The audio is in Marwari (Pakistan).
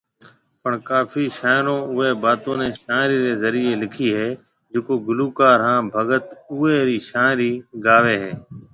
پڻ ڪافي شاعرون اوئي باتون ني شاعري ري ذريعي لکي هي جڪو گلوڪار هان بگت اوئي رِي شاعري گاوي هي